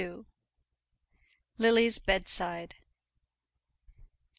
LILY'S BEDSIDE.